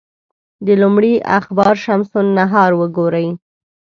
د لومړي اخبار شمس النهار وګوري.